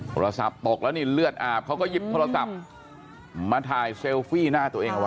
โทรศัพท์ตกแล้วนี่เลือดอาบเขาก็หยิบโทรศัพท์มาถ่ายเซลฟี่หน้าตัวเองเอาไว้